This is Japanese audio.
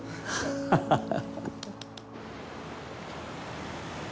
ハハハハ。